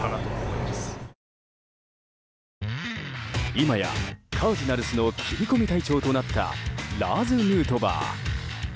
今やカージナルスの切り込み隊長となったラーズ・ヌートバー。